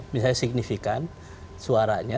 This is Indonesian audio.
misalnya signifikan suaranya